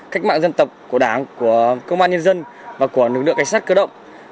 cách mạng dân tộc của đảng của công an nhân dân và của lực lượng cảnh sát cơ động